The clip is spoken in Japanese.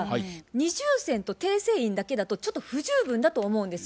二重線と訂正印だけだとちょっと不十分だと思うんです。